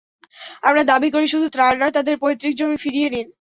আমরা দাবি করি, শুধু ত্রাণ নয়, তাদের পৈতৃক জমি ফিরিয়ে দিন।